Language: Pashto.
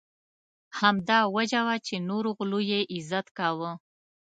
همدا وجه وه چې نورو غلو یې عزت کاوه.